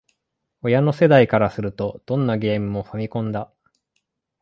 親の世代からすると、どんなゲーム機も「ファミコン」だ